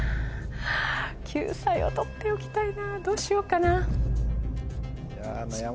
救済を取っておきたいなどうしようかな。